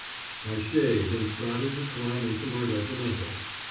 I shaved, and started to climb into my regimentals.